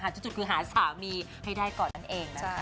จุดคือหาสามีให้ได้ก่อนนั่นเองนะคะ